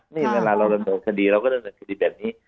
เมื่อเราเล่นดอกสดีเราก็เล่นดอกสดีแบบนี้